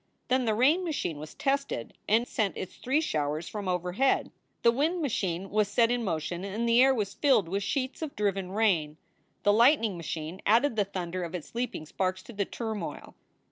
Then the rain machine was tested and sent its three showers from overhead. The wind machine was set in motion and the air was filled with sheets of driven rain. The lightning machine added the thunder of its leaping sparks to the turmoil.